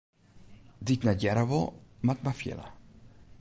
Dy't net hearre wol, moat mar fiele.